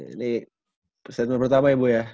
ini segmen pertama ya bu ya